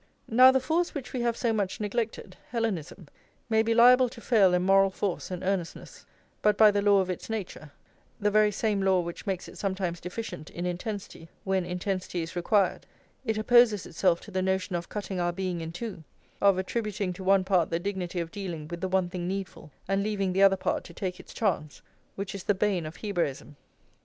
Now the force which we have so much neglected, Hellenism, may be liable to fail in moral force and earnestness, but by the law of its nature, the very same law which makes it sometimes deficient in intensity when intensity is required, it opposes itself to the notion of cutting our being in two, of attributing to one part the dignity of dealing with the one thing needful, and leaving the other part to take its chance, which is the bane of Hebraism.